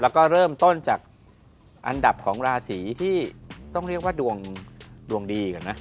แล้วก็เริ่มต้นจากอันดับของราศีที่ต้องเรียกว่าดวงดีก่อนนะ